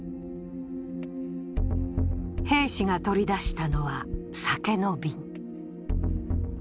兵士が取り出したのは、酒の瓶。